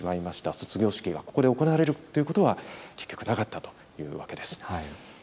卒業式がここで行われるということは、結局なかったというわけです。